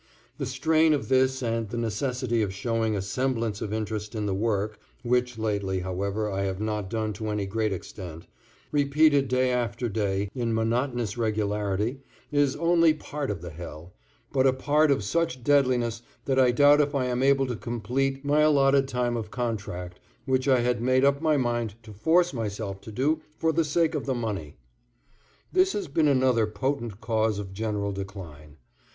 The strain of this and the necessity of showing a semblance of interest in the work (which, lately, however, I have not done to any great extent), repeated day after day in monotonous regularity is only part of the hell, but a part of such deadliness that I doubt if I am able to complete my allotted time of contract, which I had made up my mind to force myself to do for the sake of the money. This has been another potent cause of general decline.